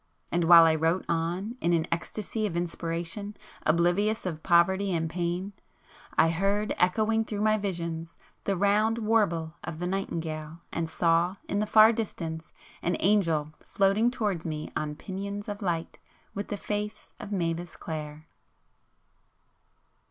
And while I wrote on in an ecstasy of inspiration, oblivious of poverty and pain, I heard, echoing through my visions, the round warble of the nightingale, and saw, in the far distance, an angel floating towards me on pinions of light, with the face of Mavis Clare.